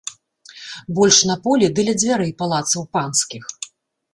Больш на полі ды ля дзвярэй палацаў панскіх.